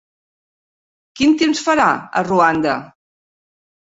Quin temps farà a Ruanda?